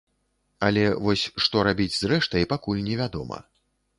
Але вось што рабіць з рэштай, пакуль невядома.